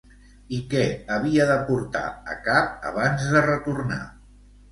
I què havia de portar a cap abans de retornar?